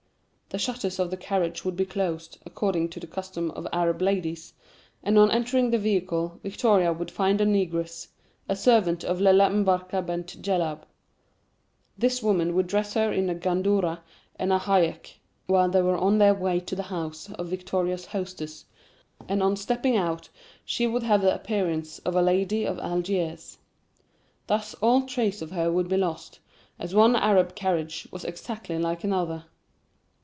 The shutters of the carriage would be closed, according to the custom of Arab ladies, and on entering the vehicle Victoria would find a negress, a servant of Lella M'Barka Bent Djellab. This woman would dress her in a gandourah and a haïck, while they were on their way to the house of Victoria's hostess, and on stepping out she would have the appearance of a lady of Algiers. Thus all trace of her would be lost, as one Arab carriage was exactly like another.